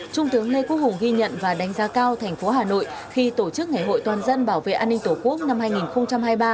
trung tướng lê quốc hùng ghi nhận và đánh giá cao thành phố hà nội khi tổ chức ngày hội toàn dân bảo vệ an ninh tổ quốc năm hai nghìn hai mươi ba